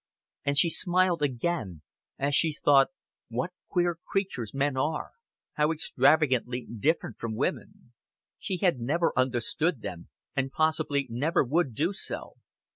And she smiled again, as she thought what queer creatures men are, how extravagantly different from women. She had never understood them, and possibly never would do so.